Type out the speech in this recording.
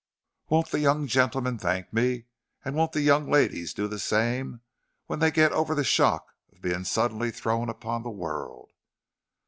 Won't the young gentlemen thank me, and won't the young ladies do the same, when they get over the shock of being suddenly thrown upon the world."